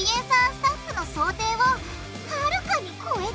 スタッフの想定をはるかに超えちゃった